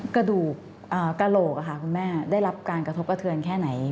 กระโหลกคุณแม่ได้รับการกระทบกระเทือนแค่ไหน